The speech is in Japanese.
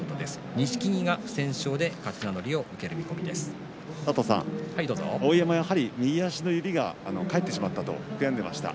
錦木が不戦勝で碧山、やはり右足の指が返ってしまったと悔やんでいました。